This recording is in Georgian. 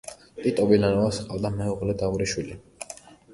ტიტო ვილანოვას ჰყავდა მეუღლე და ორი შვილი.